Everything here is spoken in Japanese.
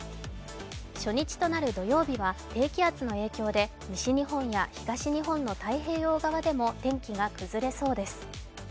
初日となる土曜日は低気圧の影響で西日本や東日本の太平洋側でも天気が崩れそうです。